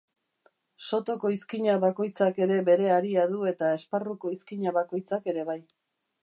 Sotoko izkina bakoitzak ere bere haria du eta esparruko izkina bakoitzak ere bai.